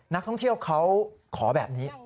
นักท่องเที่ยวเขาขอแบบนี้